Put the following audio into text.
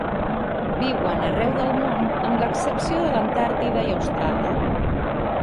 Viuen arreu del món amb l'excepció de l'Antàrtida i Austràlia.